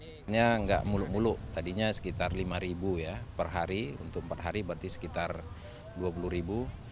sebenarnya nggak muluk muluk tadinya sekitar lima ribu ya per hari untuk empat hari berarti sekitar dua puluh ribu